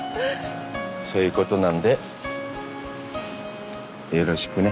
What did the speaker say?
そういうことなんでよろしくね。